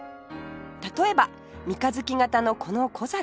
例えば三日月形のこの小皿